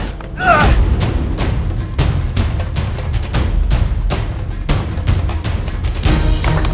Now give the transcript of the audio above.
eh kita di sini